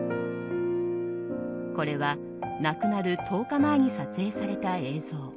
これは亡くなる１０日前に撮影された映像。